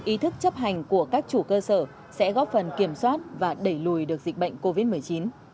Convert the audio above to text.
ý thức chấp hành của các chủ cơ sở sẽ góp phần kiểm soát và đẩy lùi được dịch bệnh covid một mươi chín